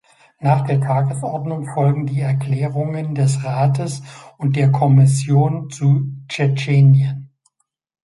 Nach der Tagesordnung folgen die Erklärungen des Rates und der Kommission zu Tschetschenien.